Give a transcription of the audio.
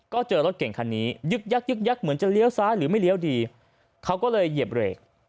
ก็เจอรถเก่งคันนี้ยึกยักยึกยักเหมือนจะเลี้ยวซ้ายหรือไม่เลี้ยวดีเขาก็เลยเหยียบเบรก